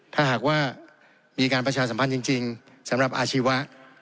ถ้าหากว่ามีการประชาสัมพันธ์จริงสำหรับอาชีวะ